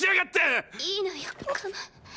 いいのよカム！